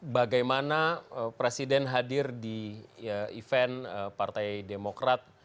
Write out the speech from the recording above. bagaimana presiden hadir di event partai demokrat